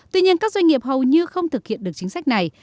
tuy nhiên các doanh nghiệp hầu như không thực hiện được chính sách này